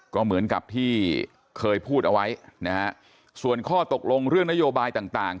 ก็เหมือนกับที่เคยพูดเอาไว้นะฮะส่วนข้อตกลงเรื่องนโยบายต่างต่าง